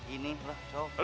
ini lah copet